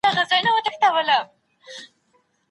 خاوند او ميرمن د موافقې په صورت کي بيليږي.